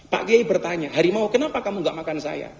pak kiai bertanya harimau kenapa kamu gak makan saya